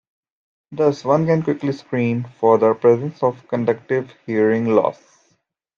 Thus, one can quickly screen for the presence of conductive hearing loss.